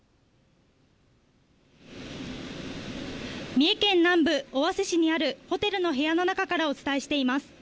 三重県南部、尾鷲市にあるホテルの部屋の中からお伝えしています。